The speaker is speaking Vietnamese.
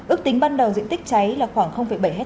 ước tính ban đầu diện tích cháy là khoảng bảy hectare